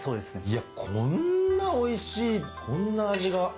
いやこんなおいしいこんな味が。